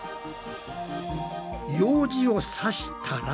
ようじをさしたら。